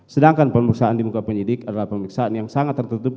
sedangkan pemeriksaan di muka penyidik adalah pemeriksaan yang sangat tertutup